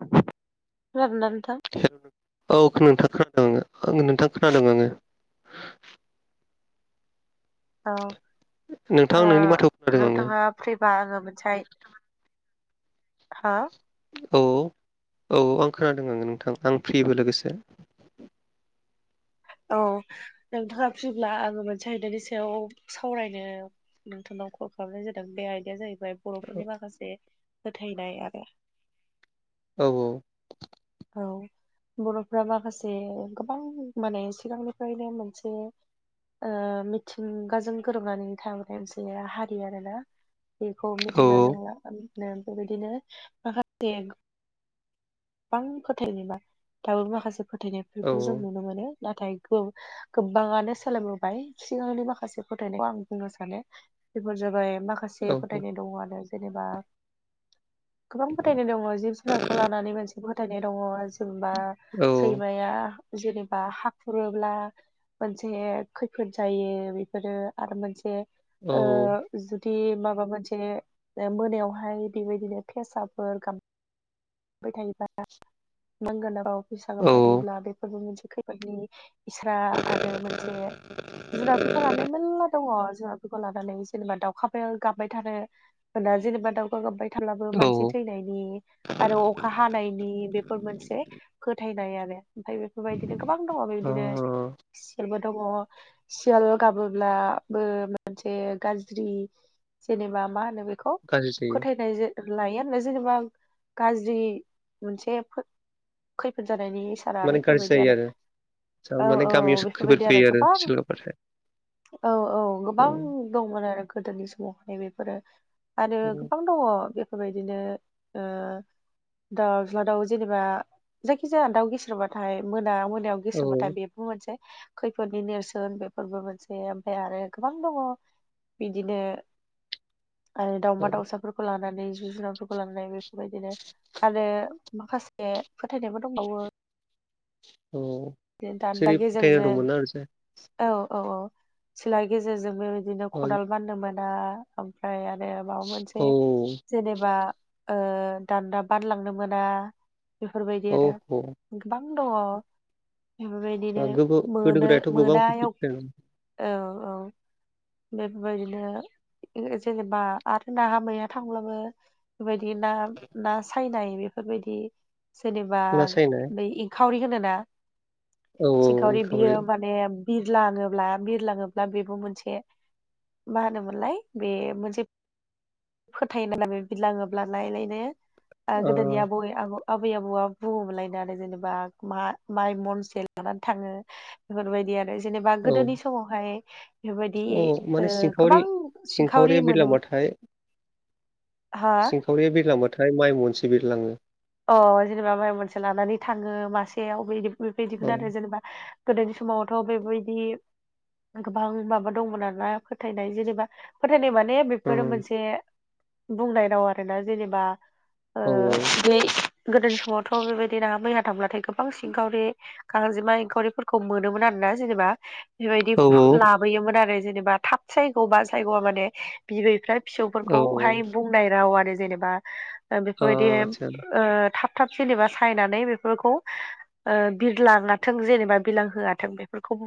खोनादों ना नोंथां? हेल' औ नोंथां खोनादों आङो नोंथां खोनादों आङो। औ नोंथां ओ नोंनि माथोखौ खोनादों आङो नोंथाङा फ्रिबा आङो मोनसे हो औ औ आं खोनादों आङो नोंथां आं फ्रिबो लोगोसे औ नोंथाङा फ्रिब्ला आङो मोनसे आयदानि सायाव सावरायनो नोंथांनाव कल खालामनाय जादों बे आयदाया जाहैबाय बर'फोरनि माखासे फोथायनाय आरो औ औ औ। बर'फ्रा माखासे गोबां माने सिगांनिफ्रायनो मोनसे ओ मिथिंगाजों गोरोबनानै थाग्रा मोनसे हारि आरो ना। बेखौ औ मिथिजों नो बेबायदिनो माखासे गोबां फोथायनाय मा दाबो माखासे फोथायनायफोरखौ जों नुनो मोनो। नाथाय गो गोबाङानो सोलायबोबाय सिगांनि माखासे फोथायनायखौ आं बुंनो सानो। बेफोर जाबाय औ माखासे फोथायनाय दङ आरो जेनेबा गोबां फोथायनाय दङ जिब जुनारखौ लानानै मोनसे फोथायनाय दङ। जेनेबा सैमाया जेनेबा हाखुरोब्ला मोनसे खैफोद जायो बेफोरो आरो मोनसे ओ जुदि माबा मोनसे मोनायावहाय बेबायदिनो फेसाफोर गाब बाय थायोबा लांगोनायाव फेसा औ गाबबाय थायोब्ला बेफोरबो मोनसे खैफोदनि इसारा आरो मोनसे जुनारफोरखौलानाै मेलला दङ' जोंहा लानानै जेनेबा दाउखा गाबबाय थानो होना जेनेबा दाउखा गाबबाय थाब्लाबो औ मानसि थैनायनि आरो अखा हानायनि बेफोर मोनसे फोथायनाय आरो ओमफ्राय बेफोरबायदिनो गोबां दङ' बेबायदिनो औ सिलबो दङ' सियाल गाबोब्लाबो मोनसे गाज्रि जेनेबा मा होनो बे खौ गाज्रि जायो फोथायनाय लायो आरोना जेनेबा गाज्रि मोनसे खैफोद जानायनि साना माने गाज्रि बेफोरबायदि जायो आरो जा औ माने औ गामियाव खैफोद बेफोरबायदि आरो फैयो गोबां सोलाबाथाय औ औ गोबां दंमोन आरो गोदोनि समावहाय बेफोरो आरो गोबां दङ' बेफोरबायदिनो ओ दाउज्ला दाउ जेनेबा जायखिजाया दाउ गेसेरबाथाय मोना मोनायाव औ गिसोबाथाय बे मोनसे खैफोदनि नेरसोन बेफोरबो मोनसे ओमफ्राय आरो गोबां दङ' बिदिनो आरो दाउमा दाउसाफोरखौ लानानै जिब जुनारफोरखौ लानानै बेफोरबायदिनो आरो माखासे फोथायनायबो दंबावो औ दान्दा जेरै [unintelligible] गेजेरजों दंमोन आरोसै औ औ औ सिला गेजेरजोंबो बिदिनो औ खदाल बाननो मोना ओमफ्राय आरो माबा मोनसे औ जेनेबा ओ दान्दा बानलांनो मोना बेफोरबायदि औ आरो गोबां दङ' बेफोरबायदिनो गोबाव गोदो मोनो गोदायथ' गोबां मोनायाव औ औ बेफोरबायदिनो जेनेबा आरो नाहा मैया थांब्लाबो बेबायदि ना ना सायनाय बेफोरबायदि जेनेबा ना सायनाय नै खावरि होनोना औ सिंखावरि बियो माने बिरलाङोब्ला बिरलाङोब्ला बेबो मोनसे मा होनोमोनलाय बे मोनसे फोथायो नालाय बे बिरलाङोब्ला लाय लायनो ओ गोदोनि आबौ आबै आबौआ बुङोमोनलायनो आरो जेनेबा मा माइ मनसे लानानै थाङो बेफोरबायदि आरो जेनेबा औ गोदोनि समावहाय बेबायदि औ माने गोबां सिंखावरि ओ सिंखावरि सिंखावरिया मोनोम बिरलांबाथाय हा थावरिया बिरलांबाथाय माइ मनसे बिरलाङो अ जेनेबा माइ मोनसे लानानै थाङो मासेयाव बे औ बिदिमोन आरो जेनेबा गोदोनि समावथ' बेबायदि गोबां माबा दंमोन आरोना फोथायनाय जेनेबा फोथायनाय मान माने बेफोरो उम मोनसे बुंनाय राव आरोना जेनेबा ओ औ बे गोदोनि समावथ' बेबायदि नाहा मैहा थांब्लाथाय गोबां सिंखावरि गांजेमा एंखावरिफोरखौ मोनोमोन आरो ना जेनेबा बेबायदि औ लाबोयोमोन आरो जेनेबा थाब सायग' बा सायग'आ माने बिबैफ्रा औ फिसौफोरखौहाय बुंनाय राव आरो जेनेबा औ बेफोरबायदि आदसा ओ थाब थाब जेनेबा सायनानै बेफोरखौ ओ बिरलाङाथों जेनेबा बिरलां होआथों बेफोरखौ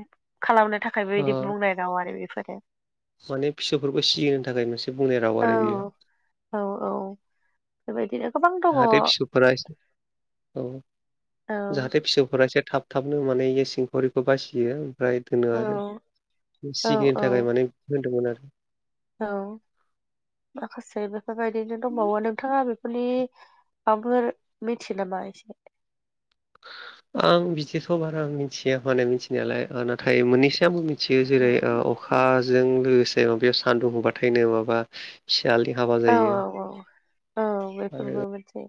खालामनो थाखायबो ओ बेबायदि बुंनाय राव आरो बेफोरो माने फिसौफोरखौ सिगिनो थाखाय मोनसे बुंनाय राव औ आरो बियो औ औ बेबायदिनो गोबां दङ जाहाथे औ फिसौफोरा एसे औ जाहाथे फिसौफोरा एसे थाब थाबनो माने इ सिंखावरिखौ बासियो दोनो आरो औ सिगिनो थाखाय माने होनदोंमोन आरो औ माखासे बेफोरबायदिनो दंबावो नोंथाङा बेफोरनि माबाफोर मिथियो नामा एसे आं बिदिखौ बारा मिथिया माने मिथिनायालाय नाथाय मोननैसो आंबो इसे मोनसेयो औ जेरै अखाजों लोगोसे बे सान्दुं दुंबाथायनो माबा सियालनि हाबा औ जायो आरो मै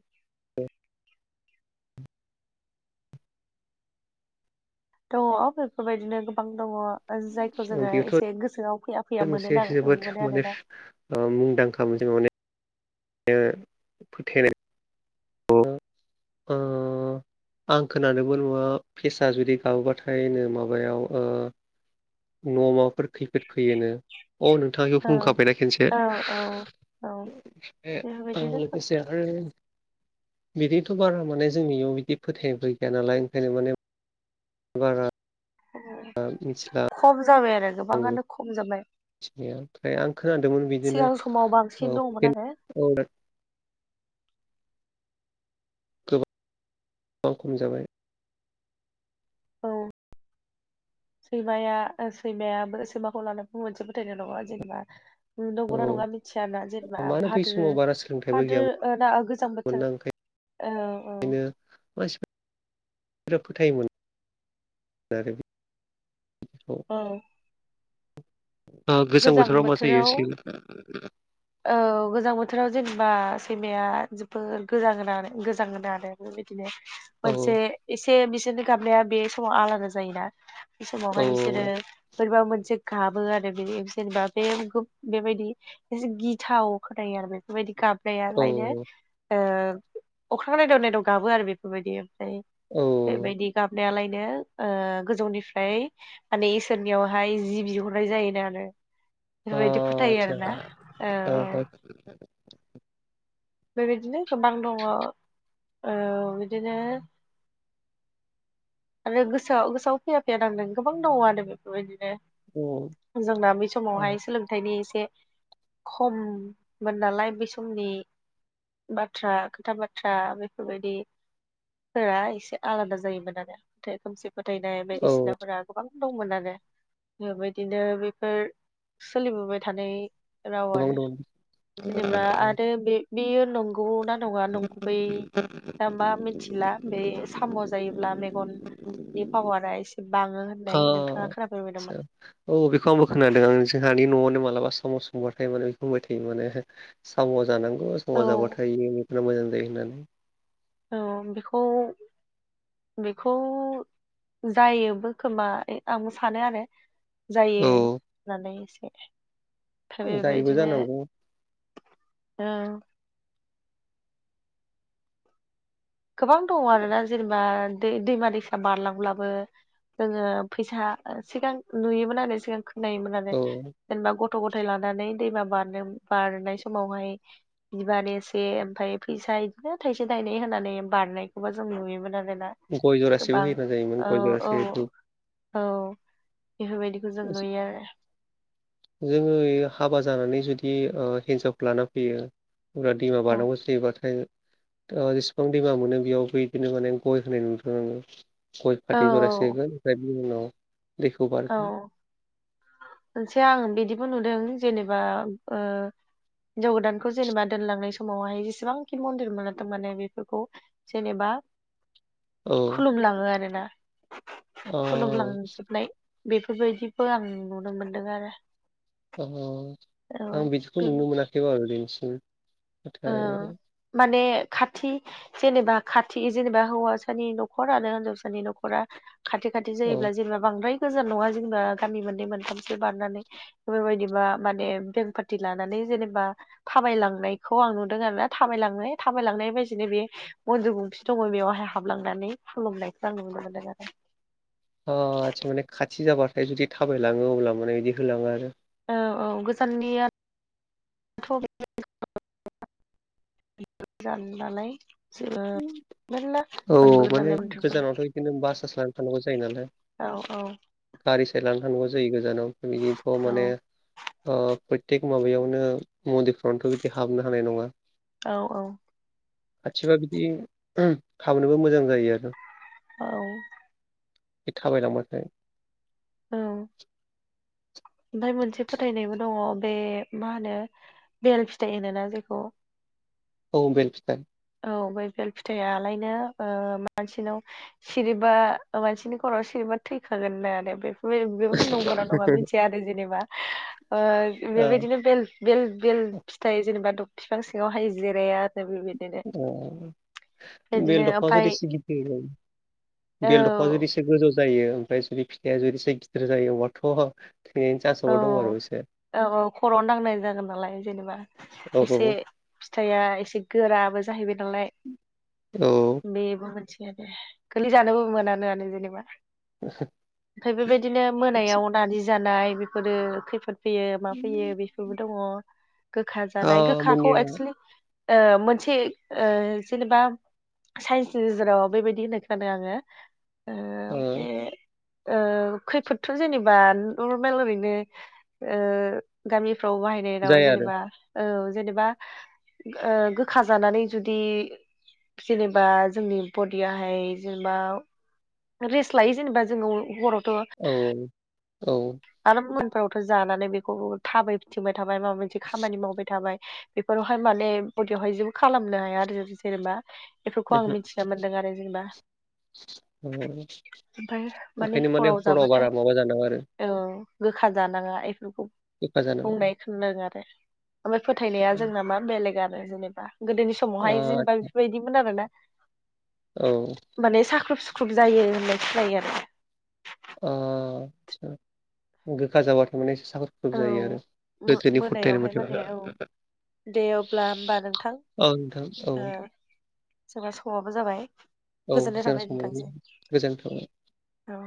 दङ बेफोरबायदिनो गोबां दङ जायखौ जोङो एसे गोसोआव फैया फैया बे मोनो मोनसे ना जोबोद मोनो माने आरोना मुंदांखा मोन जों माने फोथायनाय अ आं खोनानोबो नङा फेसा जुदि गाबोबाथायनो माबायाव न' माबाफोर खैफोद फैयोनो अ नोंथां बेखौ औ बुंखाबायना खेनसे औ औ औ ए आं बेफोरबायदिनो गोसे आरो बिदिथ' बारा माने जोंनियाव बिदि फोथायनायबोै गैया नालाय ओंखायनो माने बारा ओ मिथिला खम जाबाय आरो गोबाङानो खम जाबाय मि ओमफ्राय आं खोनादोंमोन बिदिनो सिगां समाव बांसिन दङमोन आरो [unintelligible] गोबां खम जाबाय औ सैमाया सैमाया सैमाखौ लानानैबो मोनसे फोथायनाय दङ जेनेबा औ नंगौना नङा मिथियाना जेनेबा मानो बै भाद्र समाव बारा सोलोंथाइबो भादो गैयामोन ना गोजां ना बोथोर औ औ ओंखायनो मानसिफोरा बिराद फोथायोमोन आरो बेखौ औ गोजां बोथोराव मा जायो सि औ गोजां बोथोराव जेनेबा सैमाया जोबोर गोजाङो गोजाङोनो आरो बेदिनो औ मोनसे एसे बिसोरनो गाबनाया बे समाव आलादा जायोना बे औ समावहाय बिसोरो बोरैबा मोनसे गाबो आरो बे जेनेबा बे बेबायदि एसे गिथाव खोनायो आरो बेफोरबायदि गाब औ फेसाआलायनो अख्रां नायदाव नायदाव गाबो आरो बेफोरबायदि ओमफ्राय औ बेबायदि गाबनायालायनो ओ गोजौनिफ्राय माने इसोरनियावहाय जि बिहरनाय जायोनो आरो अ बेफोरबायदि फोथायो आरोना आदसा औ अ अ बेबायदिनो गोबां दङ ओ बिदिनो आरो गोसोआव गोसोआव फैया फैया नांदों गोबां दङ आरो बेफोरबायदिनो जोंना बेै समावहाय सोलोंथाइनि एसे खममोन नालाय बै समनि बाथ्रा खोथा बाथ्रा बेफोरबायदि फोरा एसे आलादा जायोमोन आरो फोथाय खोमसि फोथायनाय औ बायदिसिनाफोरा गोबां दंमोन आरो बेबायदिनो बेफोर सोलिबोबाय थानाय राव गोबां आरो दं जेनेबा आरो बे बेयो नंगौ ना नङा नंगुबै दा मा मिथिला बे साम' जायोब्ला मेगन नि फावारा एसे बाङो होनो औ आदसा औ बेखौ आंबो खोनादों आं जोंहानि न'आवनो मालाबा समाव संबारथाय माने बेखौ होनबाय थायो माने साम' जानांगौ साम' औ जाबाथाय बेफोर मोजां जायो होननानै औ बेखौ बेखौ जायोबो खोमा आं सानो आरो जायो औ होननानै एसे म बे जायोबो बेबायबायदिनो जानांगौ औ गोबां दङ आरोना जेनेबा दै-दैमा दैसा बारलांब्लाबो जोङो फैसा सिगां नुयोमोन आरो सिगां खोनायोमोन आरो औ जेनेबा गथ'-गथाय लानानै दैमा बारनो बारनाय समावहाय बिबार एसे ओमफ्राय फैसा बिदिनो थायसे थायनै होनानै बारनायखौबो जों नुयोमोन आरोना गय जरासेबो गोबां होयोना जायोमोन औ गय औ जरासे धुप औ बेफोरबायदिखौ जों नुयो आरो जोङो हाबा जानानै जुदि ओ हिन्जावखौ लाना फैयो। हाग्रा दैमा औ बारानांगौ जायोबाथाय ओ जेसेबां दैमा मोनो बेयावबो बिदिनो माने गय होनाय नुदों आङो गय औ फाथै जरासेबो [unintelligible] औ मोनसे आं बिदिबो नुदों जेनेबा ओ हिनजाव गोदानखौ जेनेबा दोनलांनाय समावहाय जेसेबांखि मन्दिर मोनो थारमाने बेफोरखौ जेनेबा औ खुलुमलाङो आरोना अ खुलुमलांजोबनाय बेफोरबायदिबो आं नुनो मोनदों आरो अ औ आं बिदिखौ बे नुनो मोनाखैब आरो दिनैसिम ओ नाथाय माने खाथि जेनेबा खाथि जेनेबा हौवाासानि न'खर आरो हिनजावसानि न'खरा खाथि खाथि औ जायोब्ला जेनेबा बांद्राय गोजान नङा जेनेबा गामि मोननै मोनथामसो बारनानै बेफोरबायदिबा माने बें पार्टि लानानै जेनेबा थाबायलांनाय खौ आं नुदों आरो ना थाबायलांनाय थाबायलांनाय बायदिनो बेयो मन्दिर गंसे दङ बेवहाय हाबलांनानै खुलुमनायखौ आं नुनो मोनदों आरो ओ माने खाथि जाबाथाय जुदि थाबायलाङो अब्ला माने बिदि होलाङो आरो औ औ गोजाननियाथ' जानालाय ओ मला औ माने गोजानावथ' बिदिनो बासास लानानै थानांगौ जायो नालाय औ औ गारि साय लानो थानांगौ जायो गोजानाव बिदिनोथ' औ माने ओ प्रयथेक माबायावनो मन्दिरफ्रावनोथ' बिदि हाबनो हानाय नङा औ औ खाथिबा बिदि खामनोबो मोजां जायो आरो औ बे थाबायलांबाथाय औ ओमफ्राय मोनसे फोथायनायबो दङ बे मा होनो। बेल फिथाइ होनो जेखौ औ बेेल फिथाइ औ ब बेल फिथाइलायनो ओ मानसिनाव सिरिबा मानसिनि खर'आव सिरिबा थैखागोन आरो बे बे-बेफोर नंगौ ना नङा मिथिया आरो जेनेबा ओ बेबायदिनो बेल बेल बेल फिथाइ जेनेबा बिफां सिङावहाय जिराया आरो बेबायदिनो अ बिदिनो बेल दंफा जदि ओमफ्राय सिगिथ औ बेल दंफा जदि एसे गोजौ जायो ओमफ्राय जुदि फिथाइआ जुदि एसे गिदिर जायो अबाथ' थैनायनि औ चान्सआव दं आरो एसे औ औ खर'आवनो नांनाय जागोन नालाय जेनेबा औ औ एसे फिथाइआ एसे गोराबो जाहैबाय नालाय औ बेबो मोनथि दे गोलै जानोबो मोनानोआानो जेनेबा [unintelligible] ओमफफ्राय बेबायदिनो मोनायाव नानि जानाय बेफोरो खैफोद फैयो मा फैयो बेफोरबो दङ गोखा अ जानाय गोखाखौ मुनिया एक्सलि ओ मोनसे ओ जेनेबा साइन्सनि गेजेराव बेबायदि होनो खोनानो आङो ओ बे ओ खैफोदथ' जेनेबा नर्मेल ओरैनो बे ओ गामिफ्राव बाहायनाय राव जाया आरो जेनेबा औ जेनेबा ओ गोखा जानानै जुदि जेनेबा जोंनि बडियाहाय जेनेबा रेस्ट लायो जेनेबा जोङो हरावथ' औ औ आरो मोनफोरावथ' जानानै बेखौ थाबाय फिथिंबाय थाबाय माबा मोनसे खामानि मावबाय थाबाय बेफोरावहाय माने बदियावहाय जेबो खालामनो हाया आरो जेनेबा बेफोरखौ आं मिथिना मोन्दों आरो जेनेबा ओंखायनो माने हराव बारा माबा जानाङा आरो औ गोखा जानाङा एफोरखौ गोखा जानाङा थुना जादों आरो ओमफ्राय फोथायनाया ओ जोंना मा बेलेग आरो जेनेबा गोदोनि स समावहाय औ जेनेबा बेफोरबायदिमोन आरोना औ माने साख्रुब सुख्रुब जायो होननाय खोनायो आरो ओ गोखा जाबा थारमाने साख खुब जायो आरो औ गोदोनि फुरथायनि मोनायावहाय माने औ माथेबा दे अब्ला होमबा नोंथां औ नोंथां औ सोरबा समाबबो जाबाय गोजोननाय थांबाय नोंथांसिम। गोजोन्थाव औ